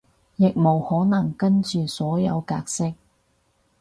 亦無可能跟住所謂格式